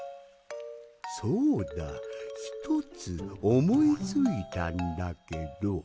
そうだ１つおもいついたんだけど。